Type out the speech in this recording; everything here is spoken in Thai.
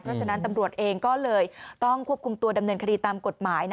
เพราะฉะนั้นตำรวจเองก็เลยต้องควบคุมตัวดำเนินคดีตามกฎหมาย